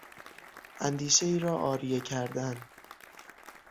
اندیشهای را عاریه کردن